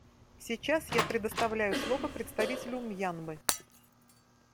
Сейчас я предоставляю слово представителю Мьянмы.